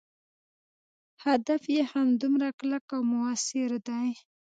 هدف یې همدومره کلک او موثر دی.